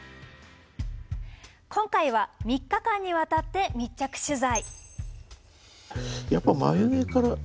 今回は３日間にわたって密着取材。